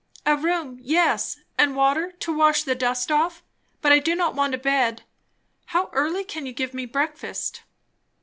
"A room, yes, and water to wash the dust off; but I do not want a bed. How early can you give me breakfast?"